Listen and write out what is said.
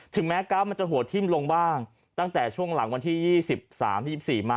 แม้ก๊าซมันจะหัวทิ้มลงบ้างตั้งแต่ช่วงหลังวันที่๒๓๒๔มา